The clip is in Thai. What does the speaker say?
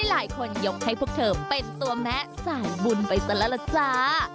หลายคนยกให้พวกเธอเป็นตัวแม่สายบุญไปซะแล้วล่ะจ้า